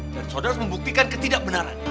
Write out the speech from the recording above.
dan saudara harus membuktikan ketidakbenaran